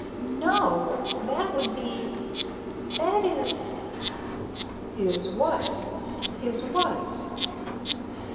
"No. That would be that is...." "Is what? Is what?"